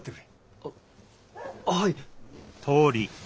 あっはい。